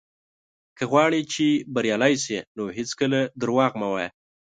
که غواړې چې بريالی شې، نو هېڅکله دروغ مه وايه.